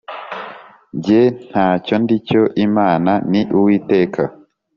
jye nta cyo ndi cyo Imana ni uwiteka